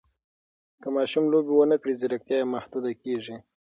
که ماشوم لوبې ونه کړي، ځیرکتیا یې محدوده کېږي.